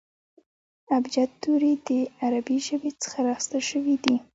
ابجد توري د عربي ژبي څخه را اخستل سوي دي.